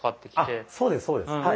そうですそうです。